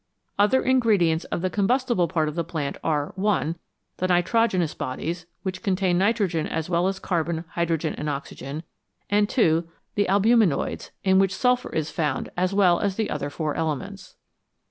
Other ingredients of the combustible part of the plant are (1) the nitrogenous bodies, which contain nitrogen as well as carbon, hydro gen, and oxygen, and (2) the albuminoids, in which sulphur is found as well as the other four elements.